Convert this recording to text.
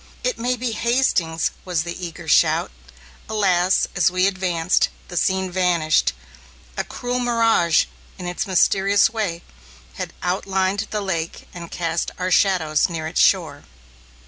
"It may be Hastings!" was the eager shout. Alas, as we advanced, the scene vanished! A cruel mirage, in its mysterious way, had outlined the lake and cast our shadows near its shore.